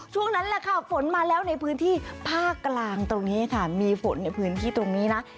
ช่วงนั้นแหละค่ะฝนมาแล้วในพื้นที่ภาคกลางตรงนี้ค่ะมีฝนในพื้นที่ตรงนี้นะ